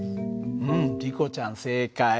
うんリコちゃん正解。